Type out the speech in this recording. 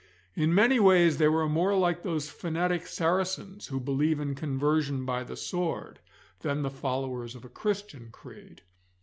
In many ways they were more like those fanatic Saracens, who believe in conversion by the sword, than the followers of a Christian creed.